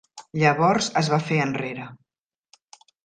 Llavors es va fer enrere.